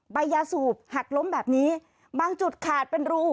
ใบยาสูบหักล้มแบบนี้บางจุดขาดเป็นรู